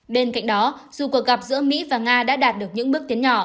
bên cạnh đó dù cuộc gặp giữa mỹ và nga đã đạt được những bước tiến nhỏ